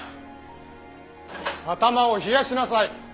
頭を冷やしなさい！